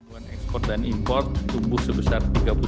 pembuatan ekspor dan impor tumbuh sebesar tiga puluh satu tujuh puluh delapan